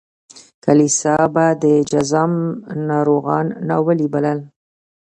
کلیسا به د جذام ناروغان ناولي بلل.